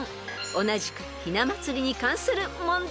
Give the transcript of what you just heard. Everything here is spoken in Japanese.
［同じくひな祭りに関する問題］